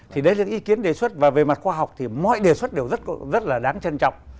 thì đấy là những ý kiến đề xuất và về mặt khoa học thì mọi đề xuất đều rất là đáng trân trọng